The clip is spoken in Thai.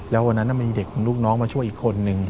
แล้ววันนั้นมีเด็กลูกน้องมาช่วยอีกคนนึง